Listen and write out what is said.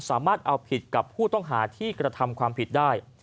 สามารถเอาผิดกับผู้ต้องหาที่กระทำความผิดได้